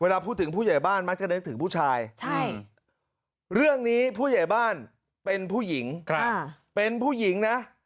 เวลาพูดถึงผู้ใหญ่บ้านมักจะรู้ถึง